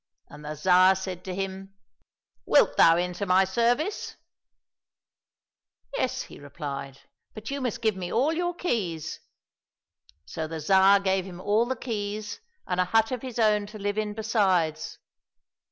" And the Tsar said to him, " Wilt thou enter my ser vice ?"—'' Yes," he replied, " but you must give me all your keys." So the Tsar gave him all the keys and a hut of his own to live in besides.